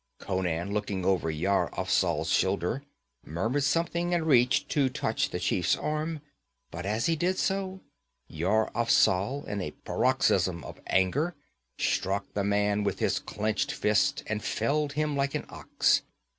Conan, looking over Yar Afzal's shoulder, murmured something and reached to touch the chief's arm, but as he did so, Yar Afzal, in a paroxysm of anger, struck the man with his clenched fist and felled him like an ox.